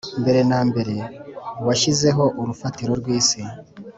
Mbere na mbere washyizeho urufatiro rw isi